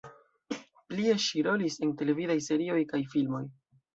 Plie ŝi rolis en televidaj serioj kaj filmoj.